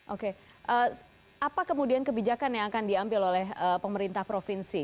oke apa kemudian kebijakan yang akan diambil oleh pemerintah provinsi